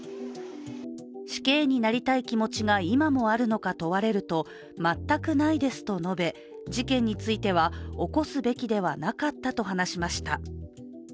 死刑になりたい気持ちが今もあるのか問われると、全くないですと述べ、事件については起こすべきではなかったと話しました。